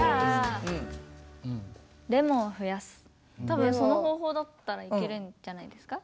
多分その方法だったらいけるんじゃないですか？